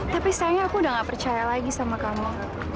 tapi sayangnya aku udah gak percaya lagi sama kamu